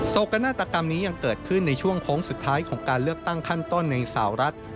กนาฏกรรมนี้ยังเกิดขึ้นในช่วงโค้งสุดท้ายของการเลือกตั้งขั้นต้นในสาวรัฐ